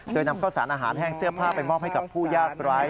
โดยนำข้าวสารอาหารแห้งเสื้อผ้าไปมอบให้กับผู้ยากไร้